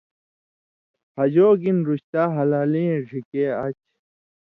”ہجو گِنہۡ، رُشتا۔ ہلالیں اْے ڙِھکے آچھی“